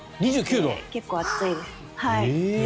結構暑いです。